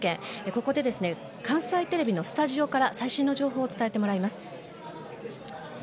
ここで関西テレビのスタジオから最新の情報を伝えてもらいます。